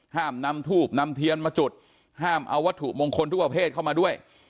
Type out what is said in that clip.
ห้ามนำทูบนำเทียนมาจุดห้ามเอาวัตถุมงคลทุกประเภทเข้ามาด้วย